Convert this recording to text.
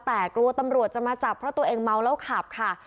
แต่กลัวตำรวจจะมาจับเพราะตัวเองเมาแล้วขับค่ะ